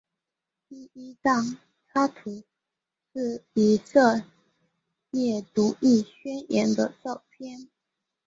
第一张插图是以色列独立宣言的照片。